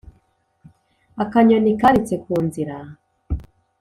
Akanyoni karitse ku nzira.